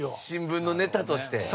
新聞のネタとして。